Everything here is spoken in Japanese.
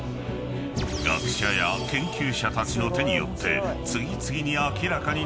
［学者や研究者たちの手によって次々に］